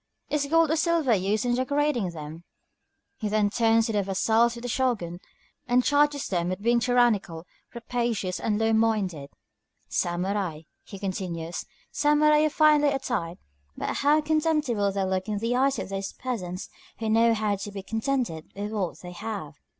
Is gold or silver used in decorating them?" He then turns to the vassals of the Shōgun, and charges them with being tyrannical, rapacious, and low minded. "Samurai," he continues, "samurai are finely attired, but how contemptible they look in the eyes of those peasants who know how to be contented with what they have!"